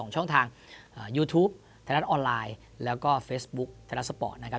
ช่องทางยูทูปธนัดออนไลน์แล้วก็เฟสบุ๊คธนัดสปอร์ตนะครับ